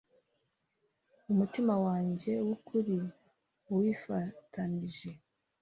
Umutima wanjye wukuri uwifatanije